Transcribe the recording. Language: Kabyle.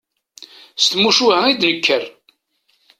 S tmucuha i d-nekker.